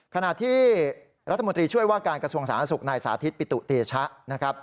ขณะที่รัฐมนตรีช่วยว่าการกระทรวงสาธารณสุขนายสาธิตปิตุเตชะนะครับ